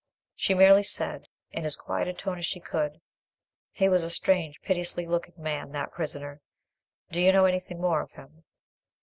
She merely said, in as quiet a tone as she could— "He was a strange piteous looking man, that prisoner. Do you know anything more of him?"